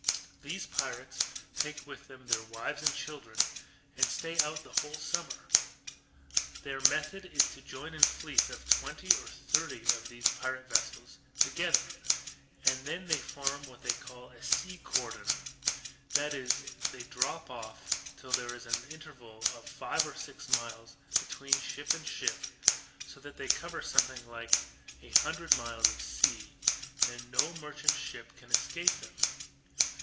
These j)irates take with Chap. XXV. THE KINGDOM OF MELIBAR. 325 them their wives and children, and stay out the whole summer. Their method is to join in fleets of 20 or 30 of these pirate vessels together, and then they form what they call a sea cordon,* that is, they drop off till there is an interval of 5 or 6 miles between ship and ship, so that they cover something like an hundred miles of sea, and no merchant ship can escape them.